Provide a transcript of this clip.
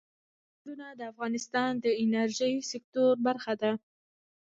سیندونه د افغانستان د انرژۍ سکتور برخه ده.